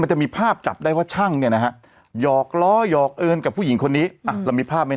มันจะมีภาพกลับได้ว่าช่างเนี่ยนะครับ